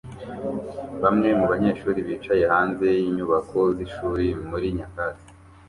Bamwe mu banyeshuri bicaye hanze yinyubako zishuri muri nyakatsi